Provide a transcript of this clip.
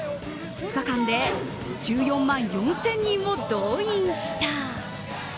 ２日間で１４万４０００人を動員した。